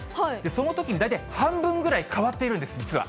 そのときに大体半分ぐらい変わっているんです、実は。